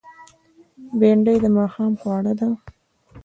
بېنډۍ د ماښام خواړه ده